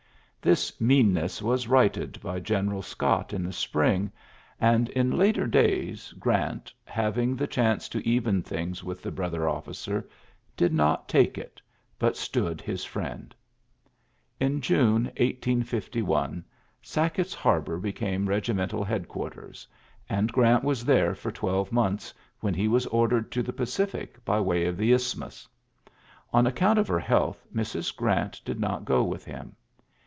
This mean ness was righted by General Scott in the spring ; and in later days Grant^ having the chance to even things with the brother officer, did not take it, but stood his friend. In June, 1851, Sack ett^s Harbor became regimental head quarters J and Grant was there for twelve months, when he was ordered to the Pacific by way of the Isthmus. On ac count of her health, Mrs. Grant did not go with him.